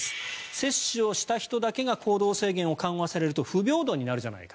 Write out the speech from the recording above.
接種をした人が行動制限を緩和されると不平等になるじゃないか。